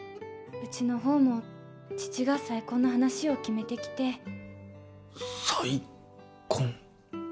うちのほうも父が再婚の話を決めてきて再婚？